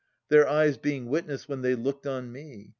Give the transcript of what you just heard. Their eyes being witness, when they looked on me.